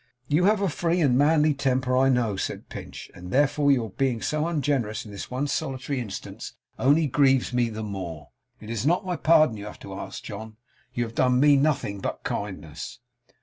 'You have a free and manly temper, I know,' said Pinch; 'and therefore, your being so ungenerous in this one solitary instance, only grieves me the more. It's not my pardon you have to ask, John. You have done ME nothing but kindnesses.